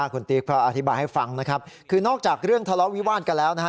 คุณติ๊กก็อธิบายให้ฟังนะครับคือนอกจากเรื่องทะเลาะวิวาดกันแล้วนะฮะ